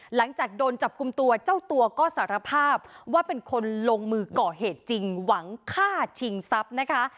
หลังจากโดนจับกลุ่มตัวเจ้าตัวก็สารภาพว่าเป็นคนลงมือก่อเหตุจริงหวังฆ่าชิงทรัพย์นะคะ